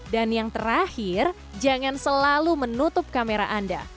dan yang terakhir jangan selalu menutup kamera anda